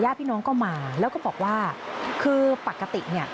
พี่น้องก็มาแล้วก็บอกว่าคือปกติเนี่ย